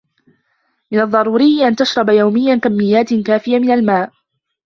من الضروري أن تشرب يوميًا كميات كافية من الماء